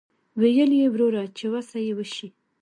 ویل یې وروره چې وسه یې وشي.